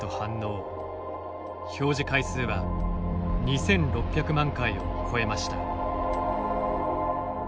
表示回数は２，６００万回を超えました。